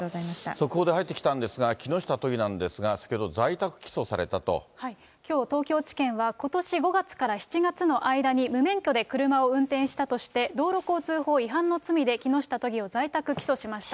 速報で入ってきたんですが、木下都議なんですが、先ほど在宅きょう、東京地検はことし５月から７月の間に無免許で車を運転したとして、道路交通法違反の罪で木下都議を在宅起訴しました。